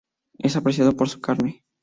Es apreciado por su carne.